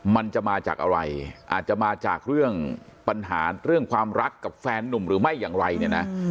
มันจะมาจากอะไรอาจจะมาจากเรื่องปัญหาเรื่องความรักกับแฟนนุ่มหรือไม่อย่างไรเนี่ยนะ